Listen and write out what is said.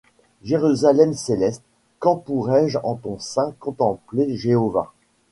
Jérusalem céleste, Quand pourrai-je en ton sein contempler Jéhova ?